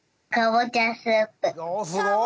おすごい！